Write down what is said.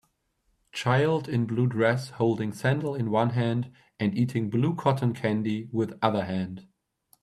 Child in blue dress holding sandal in one hand and eating blue cotton candy with other hand.